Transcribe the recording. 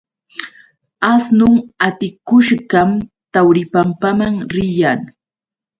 Asnun atikushqam Tawripampaman riyan.